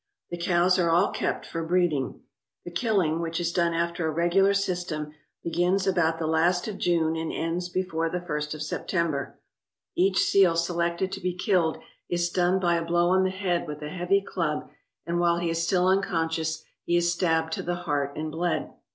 The cows are all kept for breeding. The killing, which is done after a regular system, begins about the last of June and ends before the first of September. Each seal selected to be 234 FUR SEALS AND FOX FARMS killed is stunned by a blow on the head with a heavy club and while he is still unconscious he is stabbed to the heart and bled.